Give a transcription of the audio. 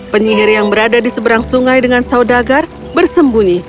penyihir yang berada di seberang sungai dengan saudagar bersembunyi